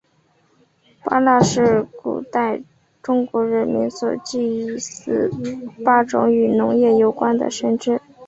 八蜡是古代中国人民所祭祀八种与农业有关的神只。